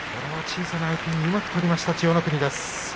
小さな相手にうまく取りました千代の国です。